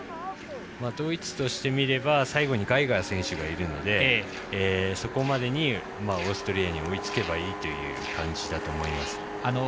ドイツとしてみれば最後にガイガー選手がいるのでそこまでに、オーストリアに追いつけばいいという感じだと思います。